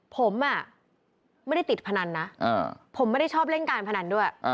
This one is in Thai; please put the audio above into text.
ผมไม่ได้ติดพนันนะผมไม่ได้ชอบเล่นการพนันด้วย